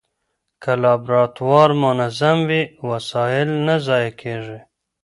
که لابراتوار منظم وي، وسایل نه ضایع کېږي.